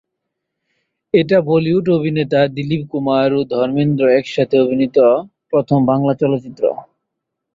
এটা বলিউড অভিনেতা দিলীপ কুমার ও ধর্মেন্দ্র একসাথে অভিনীত প্রথম বাংলা চলচ্চিত্র।